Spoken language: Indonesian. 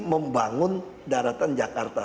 membangun daratan jakarta